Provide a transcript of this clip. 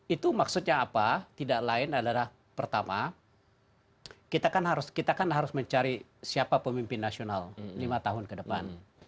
itu maksudnya apa tidak lain adalah pertama kita kan harus mencari siapa pemimpin nasional lima tahun ke depan